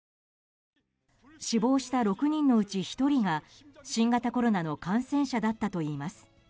死亡した６人のうち１人が新型コロナの感染者だったといいます。